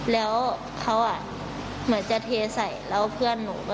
แล้วเขาเหมือนจะเทใส่แล้วเพื่อนเขาบอกว่า